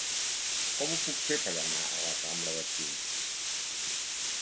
Com ho puc fer per anar a la rambla de Prim?